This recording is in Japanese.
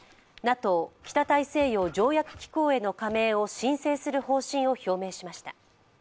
ＮＡＴＯ＝北大西洋条約機構への加盟を申請する方針を表明しました。